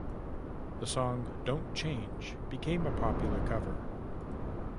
The song "Don't Change" became a popular cover.